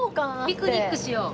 ピクニックしよう。